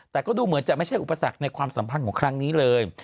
แต่ก็ดูเหมือนจะไม่ใช่อุปสรรคในความสัมพันธ์ของครั้งนี้เลย